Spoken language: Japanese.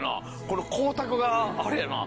この光沢があれやな。